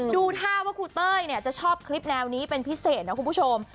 ดูท่าว่าครูเต้ยจะชอบคลิปแนวนี้เป็นพิเศษนะคุณผู้ชม